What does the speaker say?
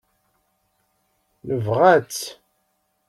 Nebɣa-tt.